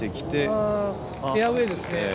フェアウエーですね。